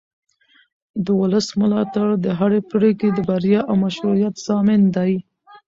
د ولس ملاتړ د هرې پرېکړې د بریا او مشروعیت ضامن دی